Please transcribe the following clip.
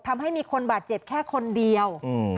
ทำให้มีคนบาดเจ็บแค่คนเดียว